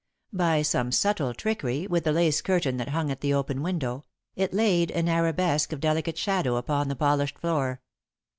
By some subtle trickery with the lace curtain that hung at the open window, it laid an arabesque of delicate shadow upon the polished floor.